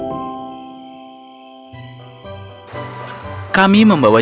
itu berarti sangat menyesal